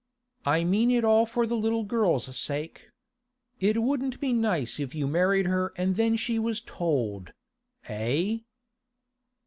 I mean it all for the little girl's sake. It wouldn't be nice if you married her and then she was told—eh?